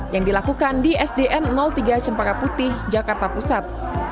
yang dilakukan di sdn tiga cempaka putih jakarta pusat